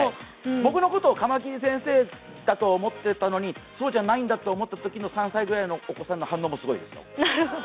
僕のことをカマキリ先生だと思ってたのにそうじゃないんだって思ったときの３歳ぐらいのお子さんの反応もすごいですよ。